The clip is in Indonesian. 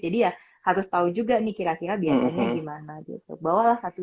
jadi ya harus tahu juga nih kira kira biayanya gimana gitu